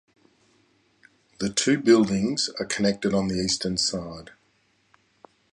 The two buildings are connected on the eastern side.